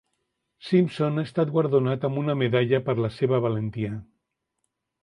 Simpson ha estat guardonat amb una medalla per la seva valentia.